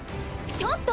ちょっと！